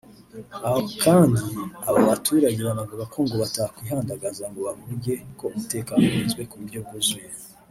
Aho kandi abo baturage banavuga ko ngo batakwihandagaza ngo bavuge ko umutekano urinzwe ku buryo bwuzuye